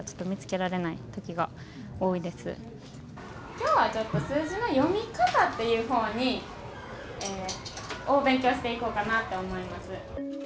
きょうはちょっと、数字の読み方っていうほうに、勉強していこうかなと思います。